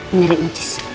ini dari mcus